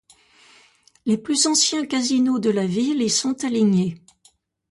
Les plus anciens casinos de la ville y sont alignés.